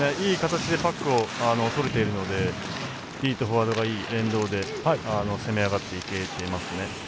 いい形でパックをとれているのでフォワードといい連動で攻め上がっていけてますね。